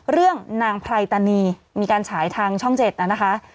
เรื่องนางไพรตานีมีการฉายทางช่องเจ็ดนะคะ